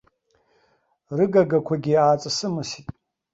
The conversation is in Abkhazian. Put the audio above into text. Рыгагақәагьы ааҵысымысит.